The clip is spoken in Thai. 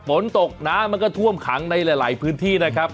ฝนตกน้ำมันก็ท่วมขังในหลายพื้นที่นะครับ